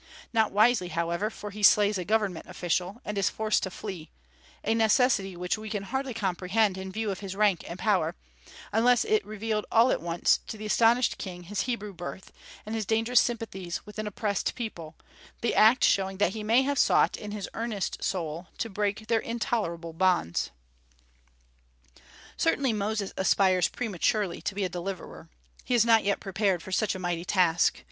Not wisely, however, for he slays a government official, and is forced to flee, a necessity which we can hardly comprehend in view of his rank and power, unless it revealed all at once to the astonished king his Hebrew birth, and his dangerous sympathies with an oppressed people, the act showing that he may have sought, in his earnest soul, to break their intolerable bonds. Certainly Moses aspires prematurely to be a deliverer. He is not yet prepared for such a mighty task.